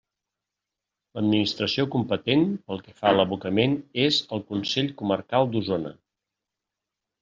L'administració competent pel que fa a l'abocament és el Consell Comarcal d'Osona.